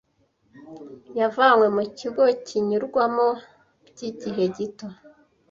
yavanywe mu kigo Kinyurwamo by’Igihe Gito